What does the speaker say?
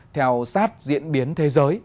theo sát diễn biến thế giới